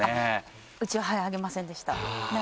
うちははい挙げませんでした。